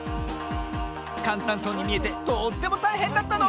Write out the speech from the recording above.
かんたんそうにみえてとってもたいへんだったの！